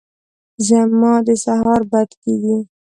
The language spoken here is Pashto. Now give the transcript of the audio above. زما د سهاره بد کېږي !